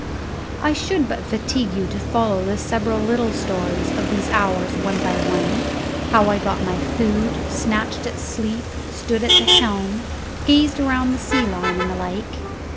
I should but fatigue you to follow the several little stories of these hours one by one; how I got my food, snatched at sleep, stood at the helm, gazed around the sea line and the like.